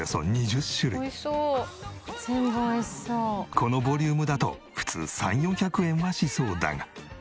このボリュームだと普通３００４００円はしそうだが。